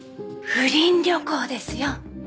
不倫旅行ですよ。